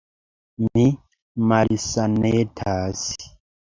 Mi malsanetas.